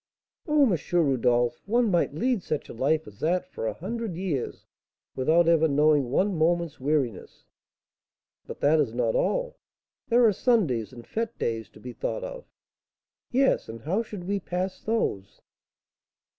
"Oh, M. Rodolph, one might lead such a life as that for a hundred years, without ever knowing one moment's weariness." "But that is not all. There are Sundays and fête days to be thought of." "Yes; and how should we pass those?"